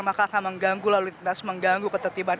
maka akan mengganggu lalu lintas mengganggu ketertiban